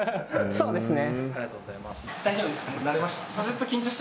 そうですよね